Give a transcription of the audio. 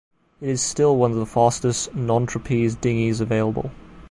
It is still one of the fastest non-trapeze dinghies available.